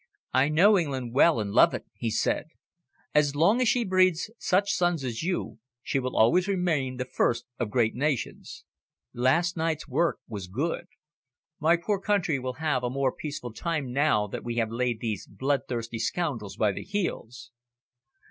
"I know England well, and love it," he said. "As long as she breeds such sons as you, she will always remain the first of great nations. Last night's work was good. My poor country will have a more peaceful time now that we have laid these bloodthirsty scoundrels by the heels."